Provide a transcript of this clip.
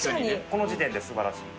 この時点で素晴らしい。